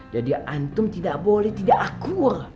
jadi antum tidak boleh tidak akur